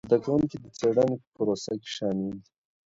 زده کوونکي د څېړنې په پروسه کي شامل دي.